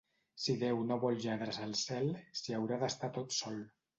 Si Déu no vol lladres al cel, s'hi haurà d'estar tot sol.